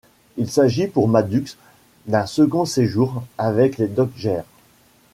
Il s'agit pour Maddux d'un second séjour avec les Dodgers.